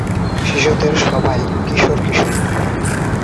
শিশুদের সবাই কিশোর কিশোরী।